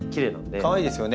かわいいですよね